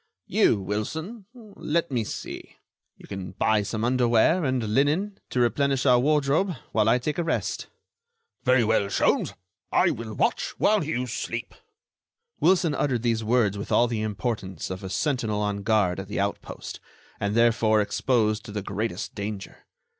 "You, Wilson—let me see! You can buy some underwear and linen to replenish our wardrobe, while I take a rest." "Very well, Sholmes, I will watch while you sleep." Wilson uttered these words with all the importance of a sentinel on guard at the outpost, and therefore exposed to the greatest danger.